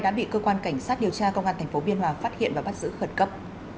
đã bị cơ quan cảnh sát điều tra công an tp biên hòa phát hiện và bắt giữ khẩn cấp